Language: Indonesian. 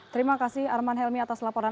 terima kasih arman helmi atas laporan